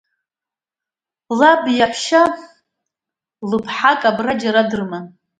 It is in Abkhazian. Лаб иаҳәшьа лыԥҳак абра џьара дрыман.